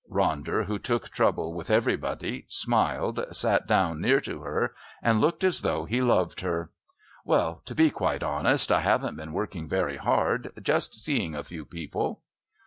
Ronder, who took trouble with everybody, smiled, sat down near to her and looked as though he loved her. "Well, to be quite honest, I haven't been working very hard. Just seeing a few people."